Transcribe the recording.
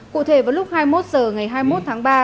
cụ thể vào lúc hai mươi một h ngày hai mươi một tháng ba